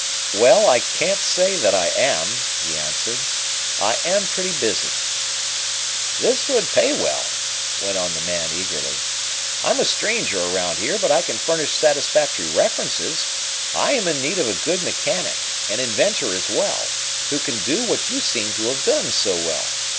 "Well, I can't say that I am," he answered. "I am pretty busy " "This would pay well," went on the man eagerly. "I am a stranger around here, but I can furnish satisfactory references. I am in need of a good mechanic, an inventor as well, who can do what you seem to have done so well.